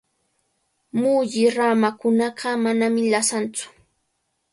Mulli ramakunaqa manami lasantsu.